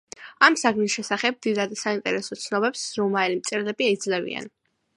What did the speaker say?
ამ საგნის შესახებ დიდად საინტერესო ცნობებს რომაელი მწერლები იძლევიან.